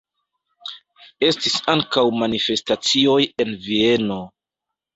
Estis ankaŭ manifestacioj en Vieno.